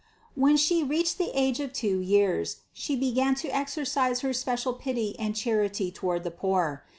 404. When She reached the age of two years She be 318 CITY OF GOD gan to exercise her special pity and charity toward the poor.